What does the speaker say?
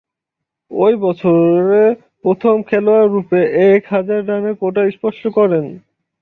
ঐ বছরে প্রথম-খেলোয়াড়রূপে এক হাজার রানের কোটা স্পর্শ করেন।